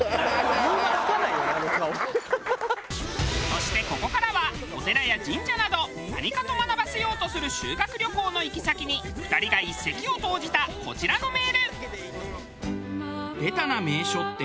そしてここからはお寺や神社など何かと学ばせようとする修学旅行の行き先に２人が一石を投じたこちらのメール。